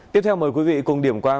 tiếp theo mời quý vị cùng điểm qua